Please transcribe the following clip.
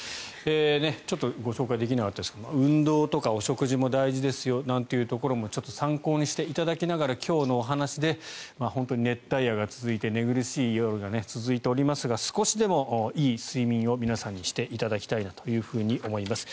ご紹介できなかったですが運動、お食事も大事ですよということもちょっと参考にしていただきながら今日のお話で本当に熱帯夜が続いて寝苦しい夜が続いていますが少しでもいい睡眠を皆さんにしていただきたいなと思います。